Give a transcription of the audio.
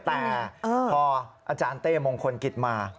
แต่พออาจารย์เต้มงคลกิจมา